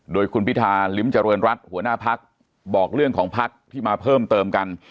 โดยคุณพิธาลิ้มเจริญรัฐหัวหน้าพักบอกเรื่องของพักที่มาเพิ่มเติมกัน